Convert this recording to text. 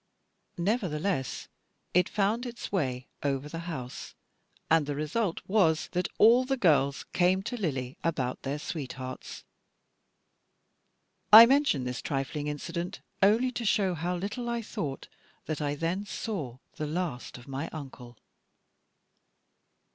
Nevertheless, it found its way over the house, and the result was that all the girls came to Lily about their sweethearts. I mention this trifling incident only to show how little I thought that I then saw the last of my Uncle.